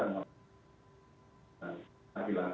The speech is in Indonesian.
dan lagi lagi tentu kita berharap